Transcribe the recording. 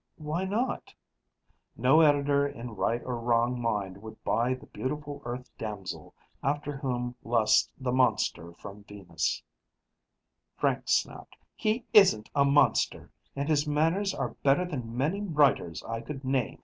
"Why not?" "No editor in right or wrong mind would buy the beautiful Earth damsel, after whom lusts the Monster from Venus " Frank snapped: "He isn't a monster! And his manners are better than many writers' I could name